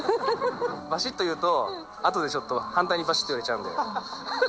ばしっと言うと、あとでちょっと反対にばしっと言われちゃうんで。